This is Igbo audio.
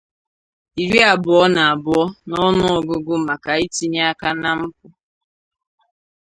iri abụọ na abụọ n'ọnụ ọgụgụ maka itinye aka na mpụ